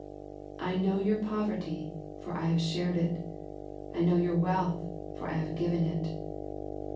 I know your poverty, for I have shared it. I know your wealth, for I have given it."